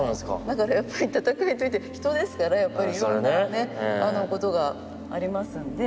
だからやっぱり戦いといって人ですからいろんなことがありますんで。